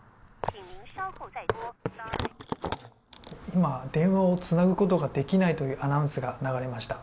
今、電話をつなぐことができないというアナウンスが流れました。